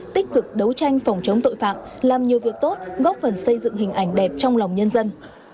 tích cực đấu tranh phòng chống tội phạm làm nhiều việc tốt góp phần xây dựng hình ảnh đẹp trong lòng nhân dân